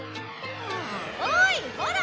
おーいほら！